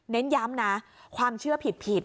เน้นย้ำนะความเชื่อผิด